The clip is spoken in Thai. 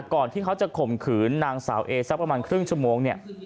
ที่เขาจะข่มขืนนางสาวเอสักประมาณครึ่งชั่วโมงเนี่ย